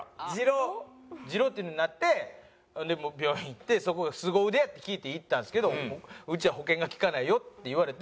痔瘻っていうのになってで病院行ってそこスゴ腕やって聞いて行ったんですけど「うちは保険が利かないよ」って言われて。